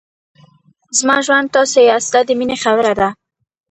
زما ژوند تاسو یاست دا د مینې خبره ده.